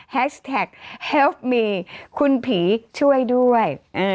แฮชแท็กแฮฟมีคุณผีช่วยด้วย